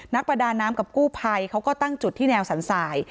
ประดาน้ำกับกู้ภัยเขาก็ตั้งจุดที่แนวสันสาย